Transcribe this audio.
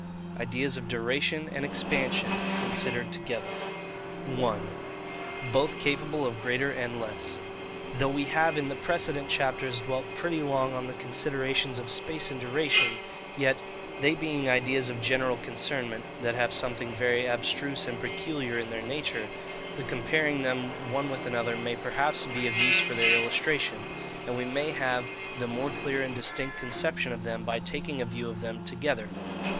IDEAS OF DURATION AND EXPANSION, CONSIDERED TOGETHER. 1. Both capable of greater and less. Though we have in the precedent chapters dwelt pretty long on the considerations of space and duration, yet, they being ideas of general concernment, that have something very abstruse and peculiar in their nature, the comparing them one with another may perhaps be of use for their illustration; and we may have the more clear and distinct conception of them by taking a view of them together.